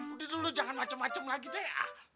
udah deh lo jangan macem macem lagi deh